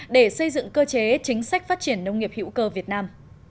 để xây dựng cơ chế chính sách phát triển nông nghiệp hữu cơ việt nam